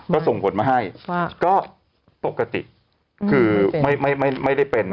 ก็ส่งผลมาให้ก็ปกติคือไม่ได้เป็น